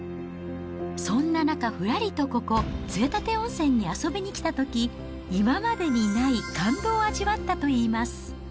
そんな中、ふらりとここ、杖立温泉に遊びに来たとき、今までにない感動を味わったといいます。